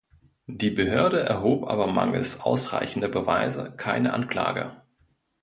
Die Behörde erhob aber mangels ausreichender Beweise keine Anklage.